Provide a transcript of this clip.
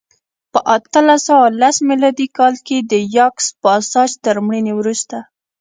په اته سوه لس میلادي کال کې د یاکس پاساج تر مړینې وروسته